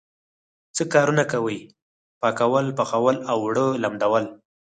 څه کارونه کوئ؟ پاکول، پخول او اوړه لمدول